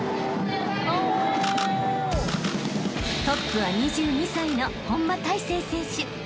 ［トップは２２歳の本間大晴選手］